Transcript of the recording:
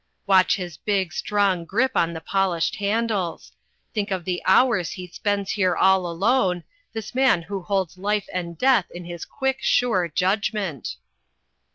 Watch his big, strong grip on the polished handles! Think of the hours he spends here all alone, this man who holds life and death in his quick, sure judgment!